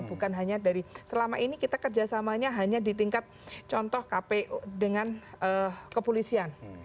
bukan hanya dari selama ini kita kerjasamanya hanya di tingkat contoh kpu dengan kepolisian